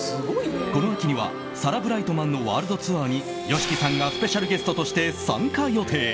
この秋にはサラ・ブライトマンのワールドツアーにＹＯＳＨＩＫＩさんがスペシャルゲストとして参加予定。